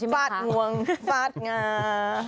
ฟาดงวงฟาดงา